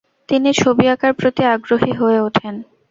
তিনি ছবি আঁকার প্রতি আগ্রহী হয়ে উঠেন।